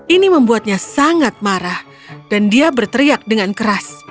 ini membuatnya sangat marah dan dia berteriak dengan keras